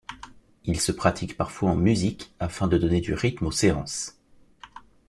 Il se pratique parfois en musique, afin de donner du rythme aux séances.